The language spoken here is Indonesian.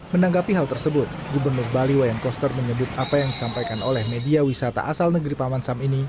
menanggapi hal tersebut gubernur bali wayan koster menyebut apa yang disampaikan oleh media wisata asal negeri paman sam ini